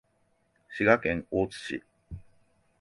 滋賀県大津市